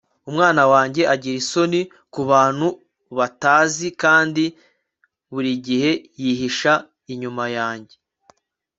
Umwana wanjye agira isoni kubantu batazi kandi buri gihe yihisha inyuma yanjye